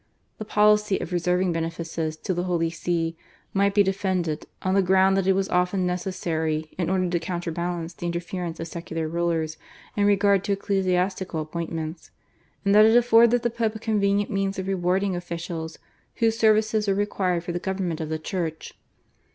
The policy of reserving benefices to the Holy See might be defended, on the ground that it was often necessary in order to counterbalance the interference of secular rulers in regard to ecclesiastical appointments, and that it afforded the Pope a convenient means of rewarding officials whose services were required for the government of the Church.